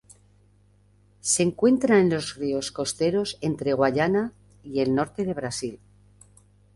Se encuentra en los ríos costeros entre Guayana y el norte del Brasil.